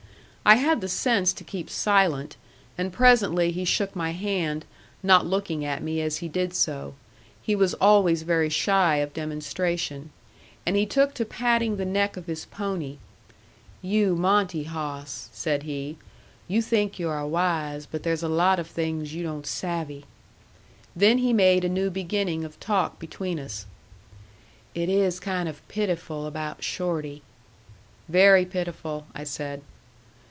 I had the sense to keep silent, and presently he shook my hand, not looking at me as he did so. He was always very shy of demonstration. And he took to patting the neck of his pony. "You Monte hawss," said he, "you think you are wise, but there's a lot of things you don't savvy." Then he made a new beginning of talk between us. "It is kind of pitiful about Shorty." "Very pitiful," I said.